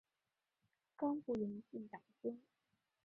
冈部元信长兄。